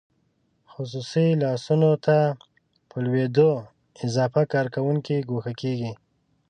خصوصي لاسونو ته په لوېدو اضافه کارکوونکي ګوښه کیږي.